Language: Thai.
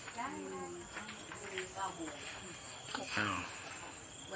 ครับ